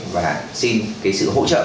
và xin cái sự hỗ trợ